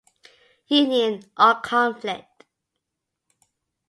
Union or conflict?